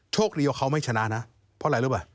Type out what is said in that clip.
โชคดีว่าเขาไม่ชนะนะแปลกเกี่ยวนะ